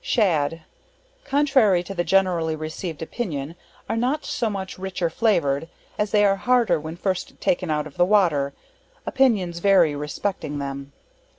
Shad, contrary to the generally received opinion are not so much richer flavored, as they are harder when first taken out of the water; opinions vary respecting them.